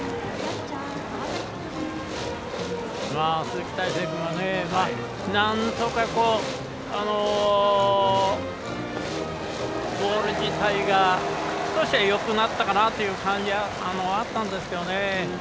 鈴木泰成君はなんとかボール自体が少しはよくなったかなという感じはあったんですけどね。